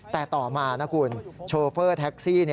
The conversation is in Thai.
แต่ต่อมานะคุณโชเฟอร์แท็กซี่